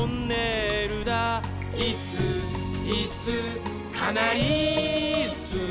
「いっすーいっすーかなりいっすー」